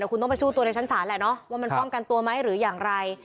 แต่คุณต้องไปสู้ตัวในชั้นศาลแหละเนาะว่ามันป้องกันตัวไหมหรืออย่างไร